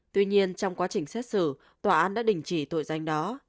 tuy nhiên trong quá trình xét xử tòa án đã đình chỉ tội danh đó